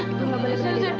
ibu mau balik dulu ya